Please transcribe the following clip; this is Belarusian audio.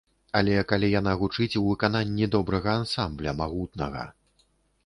Але калі яна гучыць у выкананні добрага ансамбля, магутнага.